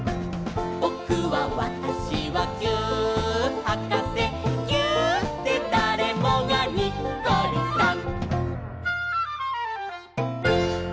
「ぼくはわたしはぎゅーっはかせ」「ぎゅーっでだれもがにっこりさん！」